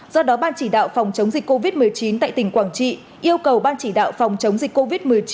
do đó ban chỉ đạo phòng chống dịch covid một mươi chín tại tỉnh quảng trị yêu cầu ban chỉ đạo phòng chống dịch covid một mươi chín